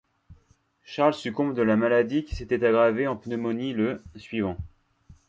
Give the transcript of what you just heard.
Charles succombe de la maladie qui s’était aggravée en pneumonie le suivant.